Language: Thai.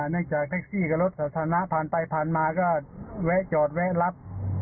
จากแท็กซี่กับรถสาธารณะผ่านไปผ่านมาก็แวะจอดแวะรับ